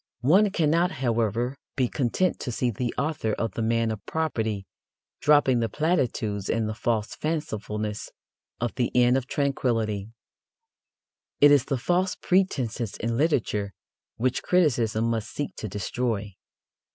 One cannot, however, be content to see the author of The Man of Property dropping the platitudes and the false fancifulness of The Inn of Tranquillity. It is the false pretences in literature which criticism must seek to destroy.